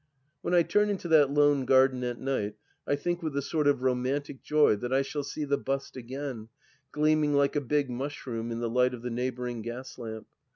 ... When I turn into that lone garden at night, I think with a sort of romantic joy that I shall see the bust again, gleaming like a big mushroom in the light of the neighbouring gas lamp.